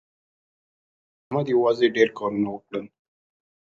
احمد یوازې ډېر کارونه وکړل.